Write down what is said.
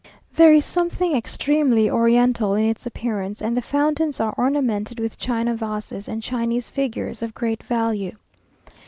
There is something extremely oriental in its appearance, and the fountains are ornamented with China vases and Chinese figures of great value.